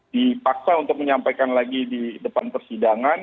dipaksa untuk menyampaikan lagi di depan persidangan